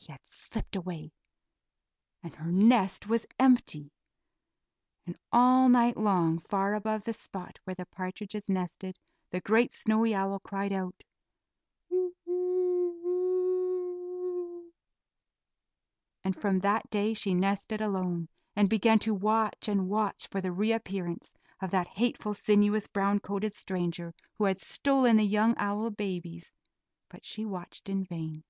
He had slipped away, and her nest was empty; and all night long, far above the spot where the partridges nested, the great snowy owl cried out: "Who who wo wo wo o o," and from that day she nested alone and began to watch and watch for the reappearance of that hateful, sinuous, brown coated stranger who had stolen the young owl babies, but she watched in vain.